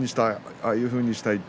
ああいうふうにしたい。